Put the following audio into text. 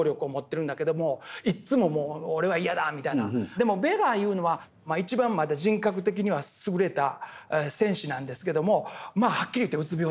でもベガいうのは一番人格的には優れた戦士なんですけどもはっきり言ってうつ病ですよね。